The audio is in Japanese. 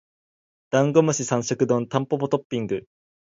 ダンゴムシ三食丼タンポポトッピング